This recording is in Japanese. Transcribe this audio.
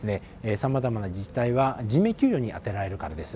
さまざまな自治体は人命救助に充てられるからです。